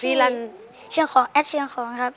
ฟรีรันศัพท์อเออราศาสน์เชี่ยงของแอดเชี่ยงของครับ